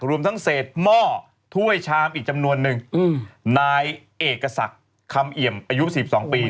รวมทั้งเศษหม้อถ้วยชามอีกจำนวนนึงนายเอกศักดิ์คำเอี่ยมอายุ๔๒ปี